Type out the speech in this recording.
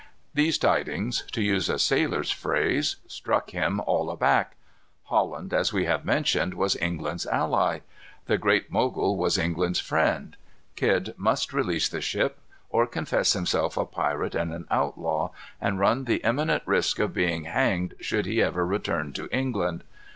These tidings, to use a sailor's phrase, "struck him all aback." Holland, as we have mentioned, was England's ally. The Great Mogul was England's friend. Kidd must release the ship, or confess himself a pirate and an outlaw, and run the imminent risk of being hanged should he ever return to England.